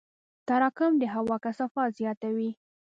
تراکم د هوا کثافت زیاتوي.